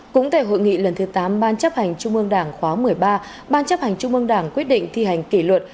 cũng tại hội nghị lần thứ tám ban chấp hành trung ương đảng khóa một mươi ba ban chấp hành trung ương đảng quyết định thi hành kỷ luật